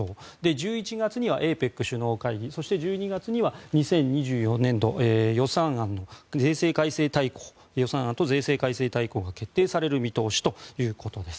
１１月にはＡＰＥＣ首脳会議そして、１２月には２０２４年度予算案と税制改正大綱が決定される見通しということです。